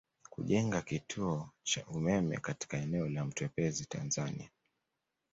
Kujenga kituo cha umeme katika eneo la Mtepwezi Tanzania